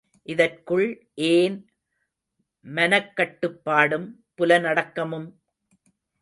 இதற்குள் ஏன் மனக்கட்டுப்பாடும் புலனடக்கமும்?